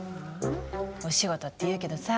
お仕事って言うけどさ